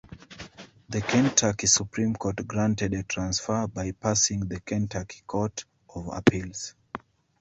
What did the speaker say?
The Kentucky Supreme Court granted a transfer, bypassing the Kentucky Court of Appeals.